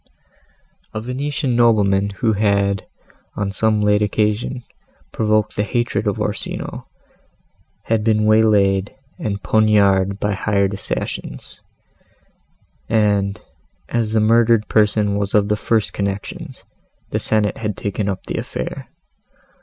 A Venetian nobleman, who had, on some late occasion, provoked the hatred of Orsino, had been way laid and poniarded by hired assassins: and, as the murdered person was of the first connections, the Senate had taken up the affair.